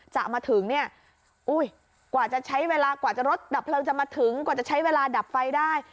จะมาถึงเนี่ยอุ้ยกว่าจะใช้เวลากว่าจะรถดับเพลิงจะมาถึงกว่าจะใช้เวลาดับไฟได้